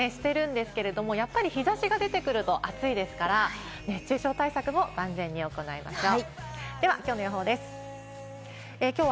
カラッとはしてるんですけど、やっぱり日差しが出てくると暑いですから、熱中症対策も万全に行いましょう。